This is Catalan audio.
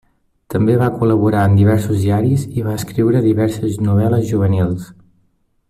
També va col·laborar en diversos diaris i va escriure diverses novel·les juvenils.